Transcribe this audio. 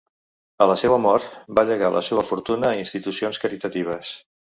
A la seua mort, va llegar la seua fortuna a institucions caritatives.